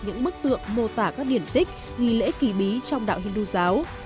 những bức tượng mô tả các điển tích nghị lễ kỳ bí trong đạo hindu giáo